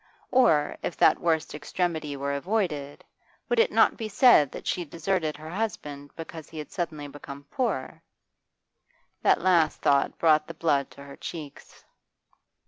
Or, if that worst extremity were avoided', would it not be said that she had deserted her husband because he had suddenly become poor? That last thought brought the blood to her cheeks.